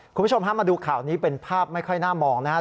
คุณผู้ชมฮะมาดูข่าวนี้เป็นภาพไม่ค่อยน่ามองนะครับ